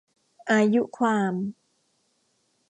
อายุความ